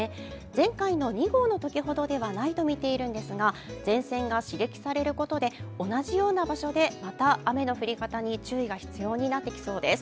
前回の２号のときほどではないとみているんですが前線が刺激されることで同じような場所でまた雨の降り方に注意が必要になってきそうです。